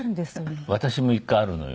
私も１回あるのよ。